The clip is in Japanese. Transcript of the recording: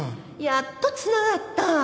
「やっと繋がった！」